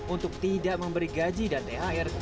untuk tidak memberi gaji dan thr